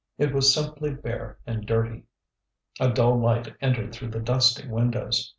It was simply bare and dirty; a dull light entered through the dusty windows.